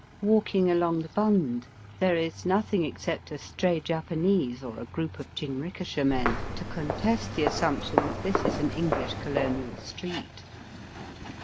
Walking along the Bund, there is nothing except a stray Japanese or a group of jinrikisha men to contest the assumption that this is an English colonial street.